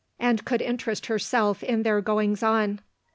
and could interest herself in their goings on.